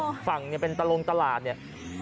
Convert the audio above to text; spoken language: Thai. กรุ่งฝั่งเนี่ยเป็นตรงตราลเนี่ย